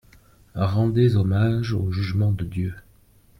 Rendez hommage au jugement de Dieu.